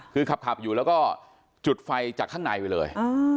คือขับอยู่แล้วก็จุดไฟจากข้างในไปเลย